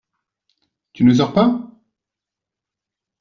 Tu ne sors pas ?